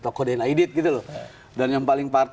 tokoh dnaidid gitu loh dan yang paling